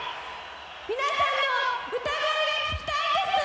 皆さんの歌声が聴きたいんです。